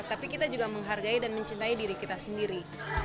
tapi kita juga menghargai dan mencintai diri kita sendiri